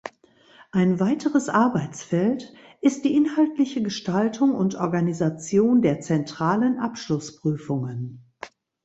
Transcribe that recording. Ein weiteres Arbeitsfeld ist die inhaltliche Gestaltung und Organisation der zentralen Abschlussprüfungen.